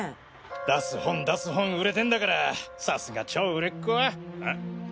出す本出す本売れてんだからさすが超売れっ子はあ？